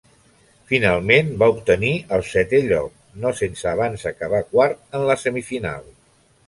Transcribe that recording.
Finalment, va obtenir el setè lloc, no sense abans acabar quart en la semifinal.